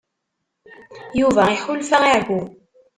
Yuba iḥulfa i ɛeyyu.